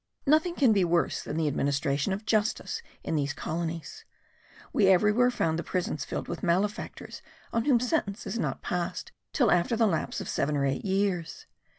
Nothing can be worse than the administration of justice in these colonies. We everywhere found the prisons filled with malefactors on whom sentence is not passed till after the lapse of seven or eight years.